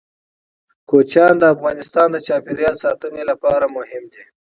کوچیان د افغانستان د چاپیریال ساتنې لپاره مهم دي.